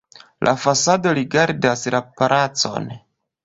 La fasado rigardas la placon.